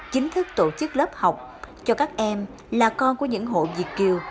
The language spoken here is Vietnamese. chính thức tổ chức lớp học cho các em là con của những hộ việt kiều